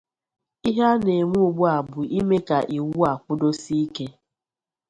Ihe a na-ame ugbu a bụ ime ka iwu a kwụdosie ike